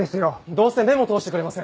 どうせ目も通してくれません。